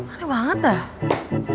aneh banget dah